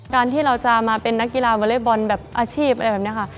การที่เราจะมาเป็นนักกีฬาวอเล็กบอลแบบอาชีพอะไรแบบนี้ค่ะ